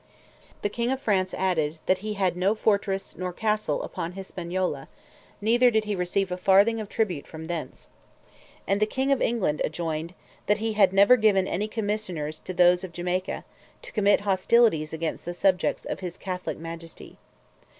The king of France added, "that he had no fortress nor castle upon Hispaniola, neither did he receive a farthing of tribute from thence." And the king of England adjoined, "that he had never given any commissions to those of Jamaica, to commit hostilities against the subjects of his Catholic Majesty."